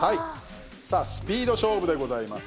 さあ、スピード勝負でございます。